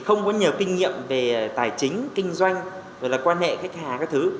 không có nhiều kinh nghiệm về tài chính kinh doanh quan hệ khách hàng các thứ